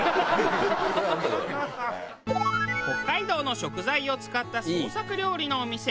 北海道の食材を使った創作料理のお店ひろ志。